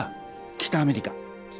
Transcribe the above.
北アメリカ。